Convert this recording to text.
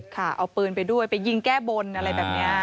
ค่ะเอาปืนไปด้วยไปยิงแก้บนอะไรแบบนี้